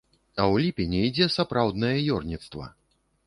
А ў ліпені ідзе сапраўднае ёрніцтва.